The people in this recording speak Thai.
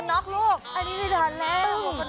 โอ้โหเห้ย